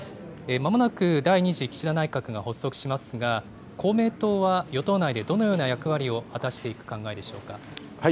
まもなく第２次岸田内閣が発足しますが、公明党は与党内でどのような役割を果たしていく考えでしょうか。